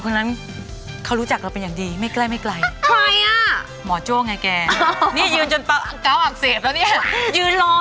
คนนั้นเขารู้จักเราเป็นอย่างดีไม่ใกล้ไม่ไกล